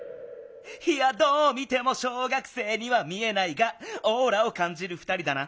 いやどう見ても小学生には見えないがオーラを感じる２人だな。